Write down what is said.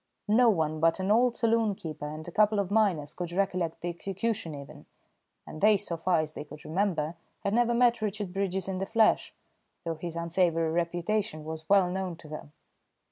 No one but an old saloon keeper and a couple of miners could recollect the execution even, and they, so far as they could remember, had never met Richard Bridges in the flesh, though his unsavoury reputation was well known to them.